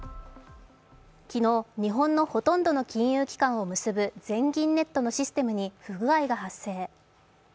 昨日、日本のほとんどの金融機関を結ぶ全銀ネットのシステムに不具合が発生。